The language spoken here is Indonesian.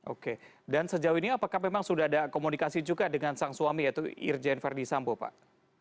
oke dan sejauh ini apakah memang sudah ada komunikasi juga dengan sang suami yaitu irjen verdi sambo pak